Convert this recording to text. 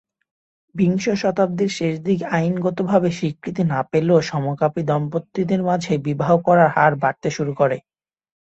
বিংশ শতাব্দীর শেষ থেকে আইনগতভাবে স্বীকৃতি না পেলেও সমকামি দম্পতিদের মাঝে বিবাহ করার হার বাড়তে শুরু করে।